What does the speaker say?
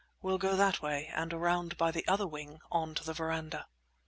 We'll go that way and around by the other wing on to the verandah."